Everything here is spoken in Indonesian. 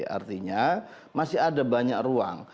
artinya masih ada banyak ruang